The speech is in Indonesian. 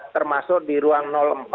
termasuk di ruang empat